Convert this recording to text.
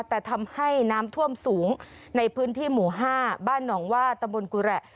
แต่ทำให้น้ำท่วมสูงในพื้นที่หมู่๕บ้านหนองว่าตะบนกุแหละ